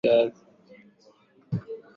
namke huyo angenyongwa jumatano ya leo